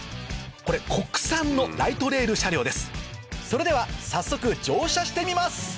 これ国産のライトレール車両ですそれでは早速乗車してみます